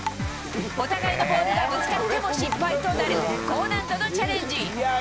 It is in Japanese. お互いのボールがぶつかっても失敗となる高難度のチャレンジ。